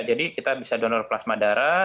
jadi kita bisa donor plasma darah